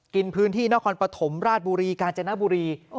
กินพื้นที่นครปฐมราชบุรีกาญจนบุรี